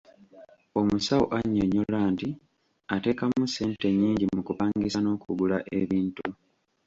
Omusawo annyonnyola nti ateekamu ssente nnyingi mu kupangisa n'okugula ebintu.